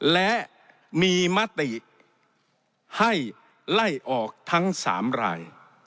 และมีมติให้ไล่ออกทั้ง๓ราย